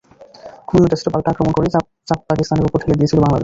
খুলনা টেস্টে পাল্টা আক্রমণ করেই চাপ পাকিস্তানের ওপর ঠেলে দিয়েছিল বাংলাদেশ।